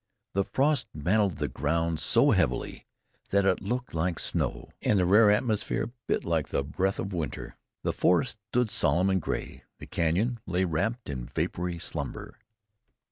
The frost mantled the ground so heavily that it looked like snow, and the rare atmosphere bit like the breath of winter. The forest stood solemn and gray; the canyon lay wrapped in vapory slumber.